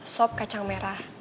sop kacang merah